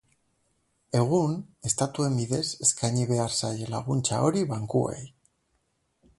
Egun, estatuen bidez eskaini behar zaie laguntza hori bankuei.